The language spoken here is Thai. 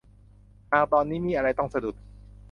หากตอนนี้มีอะไรต้องสะดุด